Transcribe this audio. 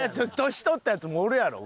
年取ったやつもおるやろ。